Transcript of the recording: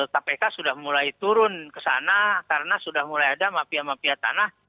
kpk sudah mulai turun ke sana karena sudah mulai ada mafia mafia tanah